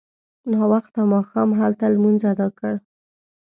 ناوخته ماښام هلته لمونځ اداء کړ.